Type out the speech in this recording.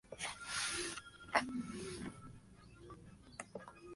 When Can I See You Again?